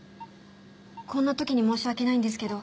こんな時に申し訳ないんですけど。